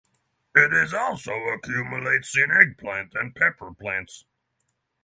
It is also accumulates in eggplant and pepper plants.